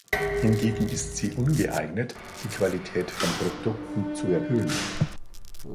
Hingegen ist sie ungeeignet, die Qualität von Produkten "zu erhöhen".